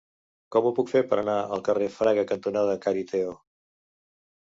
Com ho puc fer per anar al carrer Fraga cantonada Cariteo?